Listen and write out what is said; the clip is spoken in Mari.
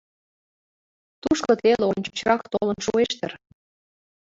Тушко теле ончычрак толын шуэш дыр.